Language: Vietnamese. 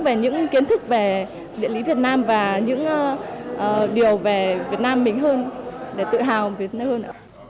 về những kiến thức về địa lý việt nam và những điều về việt nam mình hơn để tự hào việt nam hơn